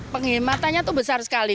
penghematannya itu besar sekali